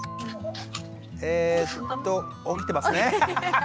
えっと起きてますね。